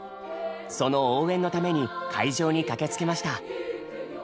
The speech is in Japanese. その応援のために会場に駆けつけました。